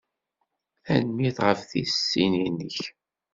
Tanemmirt ɣef tisin-nnek.